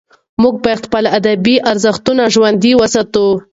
موږ باید خپل ادبي ارزښتونه ژوندي وساتو.